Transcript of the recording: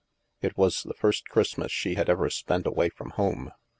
It was the first Christmas she had ever spent away from home.